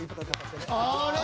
あれ？